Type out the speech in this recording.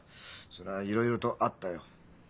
そりゃいろいろとあったよ。